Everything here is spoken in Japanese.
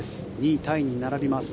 ２位タイに並びます。